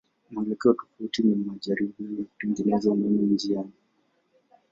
Mwelekeo tofauti ni majaribio ya kutengeneza umeme njiani.